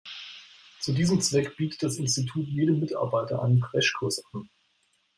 Zu diesem Zweck bietet das Institut jedem Mitarbeiter einen Crashkurs an.